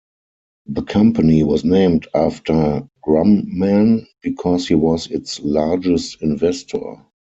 The company was named after Grumman because he was its largest investor.